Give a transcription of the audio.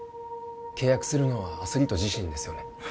契約するのはアスリート自身ですよね